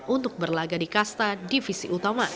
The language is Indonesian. untuk berlaga di kasta divisi utama